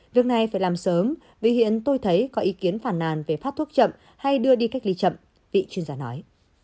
việc này phải làm sớm vì hiện tôi thấy có ý kiến phản nàn về phát thuốc chậm hay đưa đi cách ly chậm vị chuyên gia nói